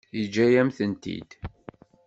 Yeǧǧa-yam-tent-id.